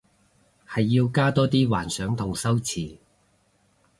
係要加多啲幻想同修辭